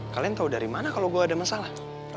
kalian tahu dari mana kalau gue ada masalah